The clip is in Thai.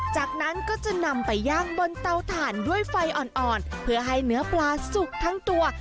จากนั้นก็จะนำไปย่างบนเตาถ่านด้วยไฟอ่อนเพื่อให้เนื้อปลาสุกทั้งตัว